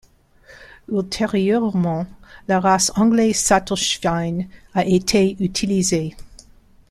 Ultérieurement, la race Angler Sattelschwein a été utilisée.